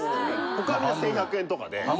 他はみんな１１００円とかで。